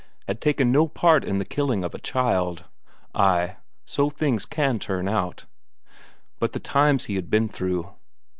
Had taken no part in the killing of a child. Ay, so things can turn out! But the times he had been through!